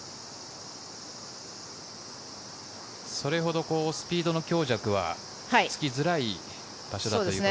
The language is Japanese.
それほどスピードの強弱はつきづらい場所だということですね。